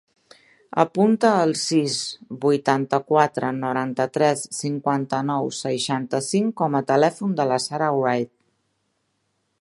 Apunta el sis, vuitanta-quatre, noranta-tres, cinquanta-nou, seixanta-cinc com a telèfon de la Sara Wright.